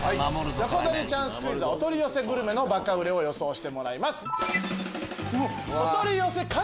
横取りチャンスクイズはお取り寄せグルメのバカ売れを予想してもらいます。